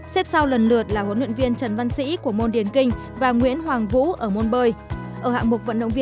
xếp sau lần lượt là huấn luyện viên trần văn sĩ của môn điển kinh và nguyễn hoàng vũ ở môn bơi